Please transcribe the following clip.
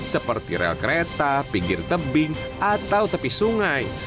seperti rel kereta pinggir tebing atau tepi sungai